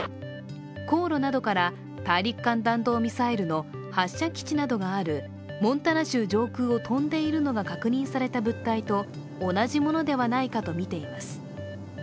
航路などから、大陸間弾道ミサイルの発射基地などがあるモンタナ州上空を飛んでいるのが確認された物体と同じものではないかとみています。